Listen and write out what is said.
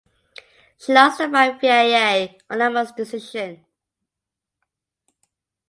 She lost the fight via unanimous decision.